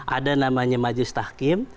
ada namanya majelis tahkim